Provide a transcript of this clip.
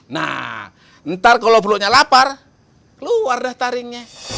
nah ntar kalau perutnya lapar keluar daftarinnya